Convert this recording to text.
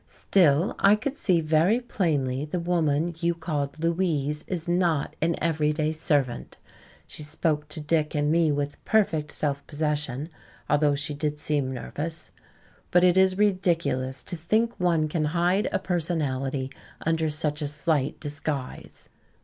Still, I could see very plainly the woman you call 'Louise' is not an everyday servant. She spoke to Dick and me with perfect self possession, although she did seem nervous. But it is ridiculous to think one can hide a personality under such a slight disguise."